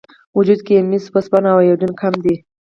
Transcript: وجود کې یې مس، وسپنه او ایودین کم دي.